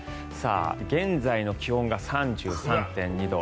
現在の気温が３３．２度。